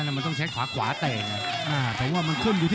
เดินเข้าหาเสียช่วงนิดนึง